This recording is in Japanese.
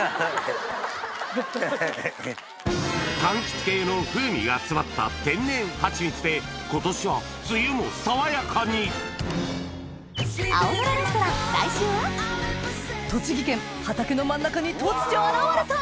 柑橘系の風味が詰まった天然ハチミツで今年は梅雨も爽やかに栃木県畑の真ん中に突如現れた！